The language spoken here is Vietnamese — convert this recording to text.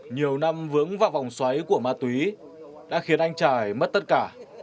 nhiều năm vướng vào vòng xoáy của ma túy đã khiến anh trải mất tất cả